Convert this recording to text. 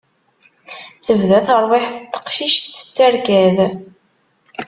Tebda terwiḥt n teqcict tettarkad.